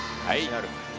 はい。